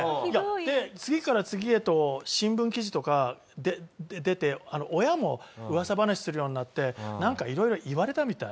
で次から次へと新聞記事とか出て親も噂話するようになってなんか色々言われたみたい。